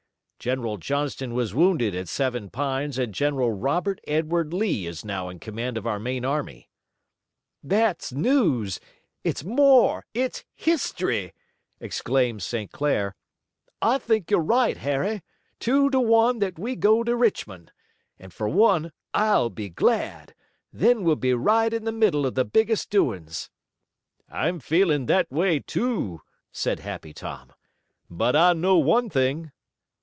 General Johnston was wounded at Seven Pines and General Robert Edward Lee is now in command of our main army." "That's news! It's more! It's history!" exclaimed St. Clair. "I think you're right, Harry. Two to one that we go to Richmond. And for one I'll be glad. Then we'll be right in the middle of the biggest doings!" "I'm feeling that way, too," said Happy Tom. "But I know one thing."